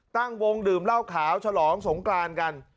ตั้งวงดื่มเหล้าขาวฉลองสงกรานกัน